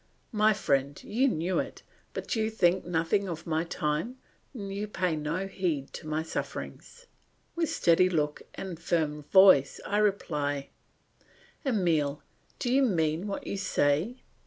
My friend, you knew it, but you think nothing of my time, and you pay no heed to my sufferings." With steady look and firm voice I reply, "Emile, do you mean what you say?"